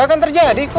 gak akan terjadi kok